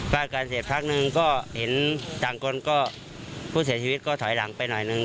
วาดกันเสร็จพักหนึ่งก็เห็นต่างคนก็ผู้เสียชีวิตก็ถอยหลังไปหน่อยนึง